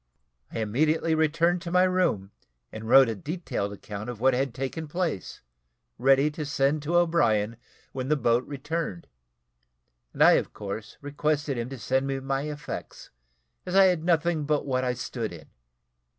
I immediately returned to my room, and wrote a detailed account of what had taken place, ready to send to O'Brien, when the boat returned, and I, of course, requested him to send me my effects, as I had nothing but what I stood in.